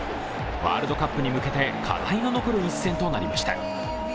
ワールドカップに向けて課題の残る一戦となりました。